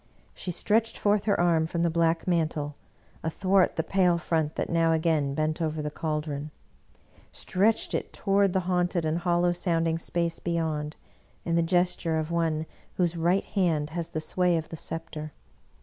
She stretched forth her arm from the black mantle, athwart the pale front that now 90 Bulwer Lytton again bent over the caldron — stretched it toward the haunted and hollow sounding space beyond, in the ges ture of one whose right hand has the sway of the scepter..